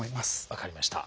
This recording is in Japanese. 分かりました。